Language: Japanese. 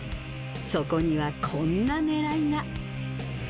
そこにはこんなねらいが。